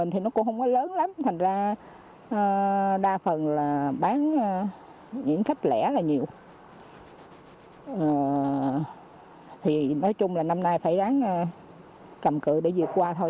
thì nói chung là năm nay phải ráng cầm cự để diệt hoa thôi